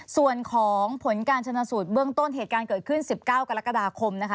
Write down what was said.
ส่วนของผลการชนสูตรเบื้องต้นเหตุการณ์เกิดขึ้น๑๙กรกฎาคมนะคะ